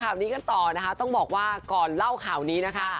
ข่าวนี้กันต่อนะคะต้องบอกว่าก่อนเล่าข่าวนี้นะคะ